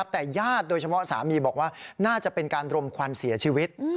แต่ญาติโดยเฉพาะสามีบอกว่าน่าจะเป็นการรมควันเสียชีวิต